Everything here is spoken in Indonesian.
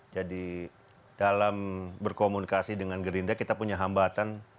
jadi dalam berkomunikasi dengan gerinda kita punya hambatan